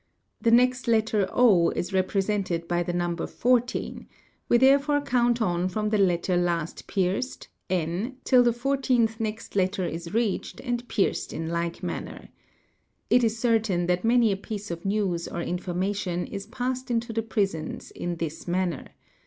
The next letter 0 is represented by the number 15, we therefore count on from the letter last pierced, n, till the 15th next letter is reached and pierced in like manner. It is certain that many a piece of news or information i: passed into the prisons in this manner.